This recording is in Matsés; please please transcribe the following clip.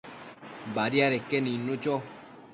Badiadeque nidnu cho